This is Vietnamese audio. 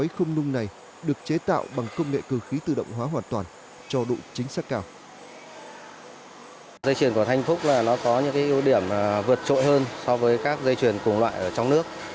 không phải dùng bằng công pháp tổ công